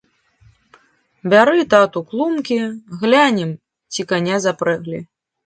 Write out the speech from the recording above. Бяры, тату, клумкі, глянем, ці каня запрэглі.